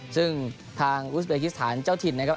ซึ่งทางอุสเบกิสถานเจ้าถิ่นนะครับ